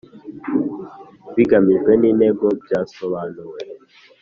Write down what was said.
Ibigamijwe n intego byasobanuwe